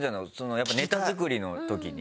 やっぱネタ作りの時に？